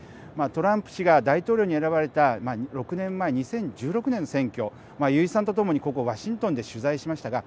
トランプ氏が大統領に選ばれた６年前、２０１６年の選挙油井さんと共にここワシントンで取材しましたが